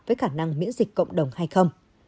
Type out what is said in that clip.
với khả năng miễn dịch cộng đồng hay không